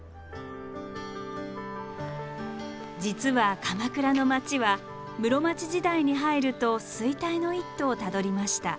実は鎌倉の町は室町時代に入ると衰退の一途をたどりました。